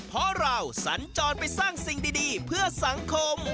เพราะเราสัญจรไปสร้างสิ่งดีเพื่อสังคม